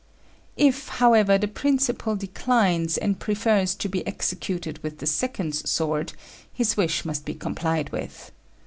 If, however, the principal declines, and prefers to be executed with the second's sword, his wish must be complied with.